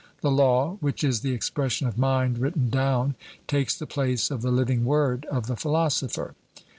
The law, which is the expression of mind written down, takes the place of the living word of the philosopher.